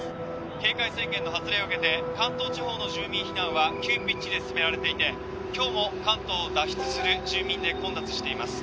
警戒宣言の発令を受けて関東地方の住民避難は急ピッチで進められていて今日も関東を脱出する住民で混雑しています